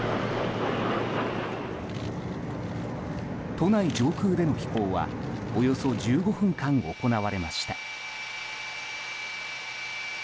都内上空での飛行はおよそ１５分間行われました。